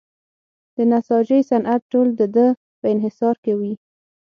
د نساجۍ صنعت ټول د ده په انحصار کې وي.